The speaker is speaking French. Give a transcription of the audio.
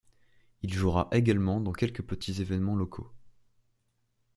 Il jouera également dans quelques petits événements locaux.